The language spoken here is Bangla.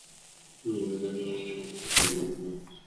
সম্ভবত তাঁর সমকালীন মানব সন্তানদেরকেই বুঝানো হয়েছে।